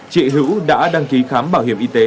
chị hữu đã đăng ký khám bảo hiểm y tế